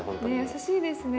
優しいですね。